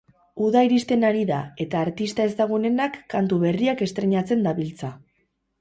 Uda iristen ari da, eta artista ezagunenak kantu berriak estreinatzen dabiltza.